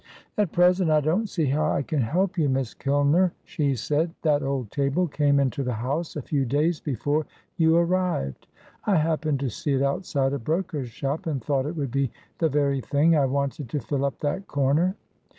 "At present I don't see how I can help you, Miss Kilner," she said. "That old table came into the house a few days before you arrived. I happened to see it outside a broker's shop, and thought it would be the very thing I wanted to fill up that corner."